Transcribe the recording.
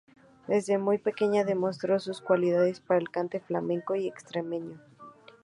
Desde muy pequeña demostró sus cualidades para el cante flamenco y extremeño.